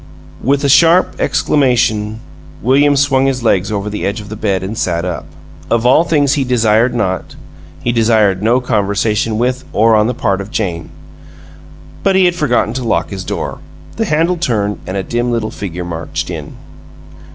With a sharp exclamation William swung his legs over the edge of the bed and sat up. Of all things he desired not, he desired no conversation with, or on the part of, Jane. But he had forgotten to lock his door the handle turned, and a dim little figure marched in.